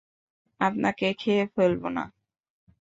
আপনাকে খেয়ে ফেলবো না।